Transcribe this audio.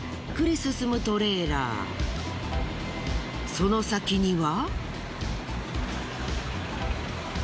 その先には。